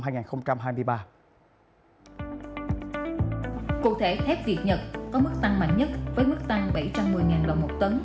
cụ thể thép việt nhật có mức tăng mạnh nhất với mức tăng bảy trăm một mươi đồng một tấn